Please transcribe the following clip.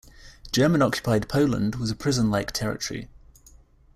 German-occupied Poland was a prison-like territory.